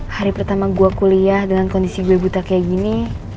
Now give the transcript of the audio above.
hari pertama gue kuliah dengan kondisi gue buta kayak gini